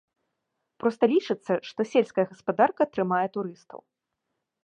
Проста лічыцца, што сельская гаспадарка трымае турыстаў.